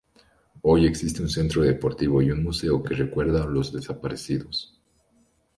Hoy existe un centro deportivo y un museo que recuerda a los desaparecidos.